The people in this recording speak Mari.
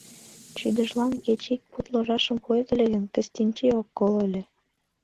Чӱдыжлан кеч ик пуд ложашым пуэт ыле гын, Кыстинчи ок коло ыле.